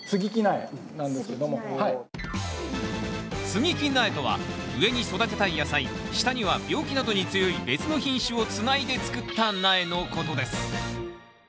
接ぎ木苗とは上に育てたい野菜下には病気などに強い別の品種をつないで作った苗のことです